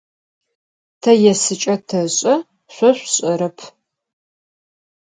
Te yêsıç'e teş'e, şso şsuş'erep.